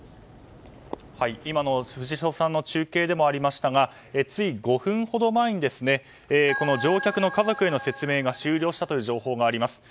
今の藤代さんの中継でもありましたがつい５分ほど前に乗客の家族への説明が終了したという情報があります。